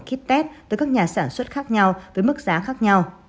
kit test tới các nhà sản xuất khác nhau với mức giá khác nhau